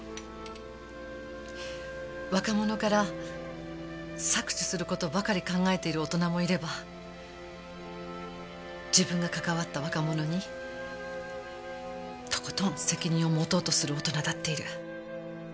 若者から搾取する事ばかり考えている大人もいれば自分が関わった若者にとことん責任を持とうとする大人だっている。